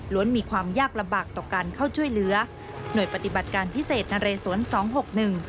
มีความยากลำบากต่อการเข้าช่วยเหลือหน่วยปฏิบัติการพิเศษนเรสวนสองหกหนึ่ง